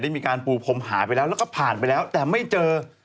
มีการปูพรมหายไปแล้วแล้วก็ผ่านไปแล้วแต่ไม่เจอ